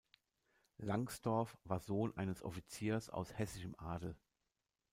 Langsdorff war Sohn eines Offiziers aus hessischem Adel.